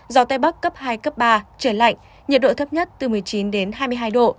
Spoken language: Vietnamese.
gió tây bắc cấp hai cấp ba trời lạnh nhiệt độ thấp nhất từ một mươi chín đến hai mươi hai độ